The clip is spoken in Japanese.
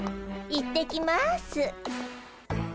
行ってきます。